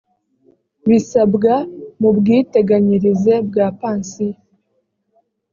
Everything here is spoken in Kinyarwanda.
bisabwa mu bwiteganyirize bwa pansiyo